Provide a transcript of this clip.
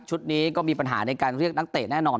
นี้ก็มีปัญหาในการเรียกนักเตะแน่นอน